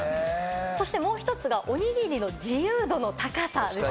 そしてもう１つは、おにぎりの自由度の高さ。